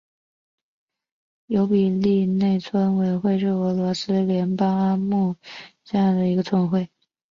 尤比列伊内村委员会是俄罗斯联邦阿穆尔州结雅区所属的一个村委员会。